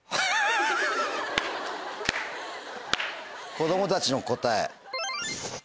子供たちの答え。